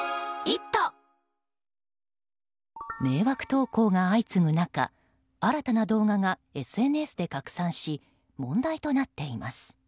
迷惑投稿が相次ぐ中新たな動画がＳＮＳで拡散し問題となっています。